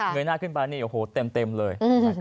ยหน้าขึ้นไปนี่โอ้โหเต็มเลย